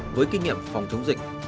với kinh nghiệm phòng chống dịch